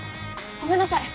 ごめんなさい。